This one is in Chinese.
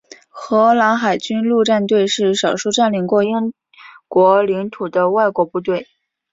荷兰海军陆战队是少数占领过英国领土的外国部队。